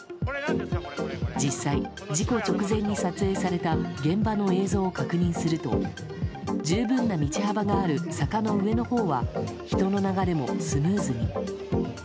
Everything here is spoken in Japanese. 実際、事故直前に撮影された現場の映像を確認すると十分な道幅がある坂の上のほうは人の流れもスムーズに。